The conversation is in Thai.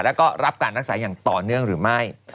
แล้วก็รับการรักษาอย่างต่อเนื่องหรือไม่